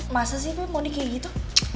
masa sih pi mondi kayak gitu